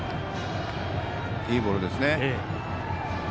いいボールですね。